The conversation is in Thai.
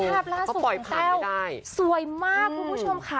ภาพร่าสสุดของจริงสวยมาก